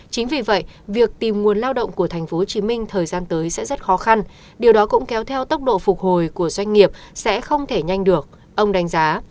chính vì vậy việc tìm nguồn lao động của tp hcm thời gian tới sẽ rất khó khăn điều đó cũng kéo theo tốc độ phục hồi của doanh nghiệp sẽ không thể nhanh được ông đánh giá